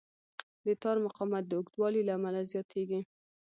د تار مقاومت د اوږدوالي له امله زیاتېږي.